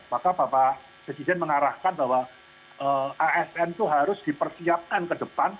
maka bapak presiden mengarahkan bahwa asn itu harus dipersiapkan ke depan